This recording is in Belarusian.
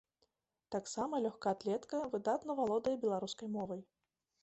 Таксама лёгкаатлетка выдатна валодае беларускай мовай.